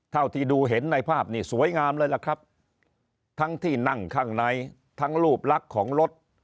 เท่าที่ดูเห็นในภาพนี่สวยงามเลยล่ะครับทั้งที่นั่งข้างในทั้งรูปลักษณ์ของรถ